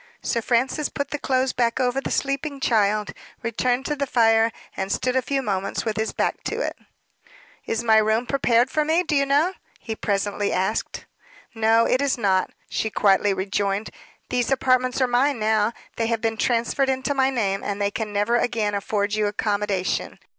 Sir Francis put the clothes back over the sleeping child, returned to the fire, and stood a few moments with his back to it. "Is my room prepared for me, do you know?" he presently asked. "No, it is not," she quietly rejoined. "These apartments are mine now; they have been transferred into my name, and they can never again afford you accommodation.